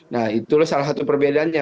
nah itulah salah satu perbedaannya